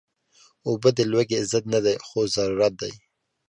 اوبه د لوږې ضد نه دي، خو ضرورت دي